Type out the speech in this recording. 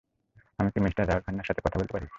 আমি কী মিস্টার রাহুল খান্নার সাথে কথা বলতে পারি?